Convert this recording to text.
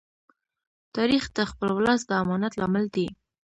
تاریخ د خپل ولس د امانت لامل دی.